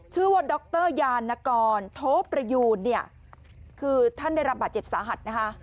ชื่อว่าดรยานกรโทประยูนเนี่ยคือท่านได้รับบาดเจ็บสาหัสนะคะ